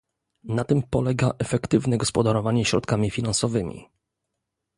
Na tym polega efektywne gospodarowanie środkami finansowymi